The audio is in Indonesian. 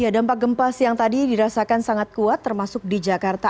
dampak gempa siang tadi dirasakan sangat kuat termasuk di jakarta